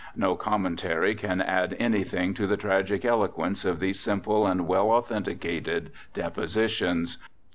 No commentary can add anything to the tragic eloquence of these simple and well authenticated depositions.